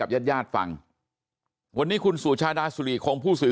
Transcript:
แล้วก็ยัดลงถังสีฟ้าขนาด๒๐๐ลิตร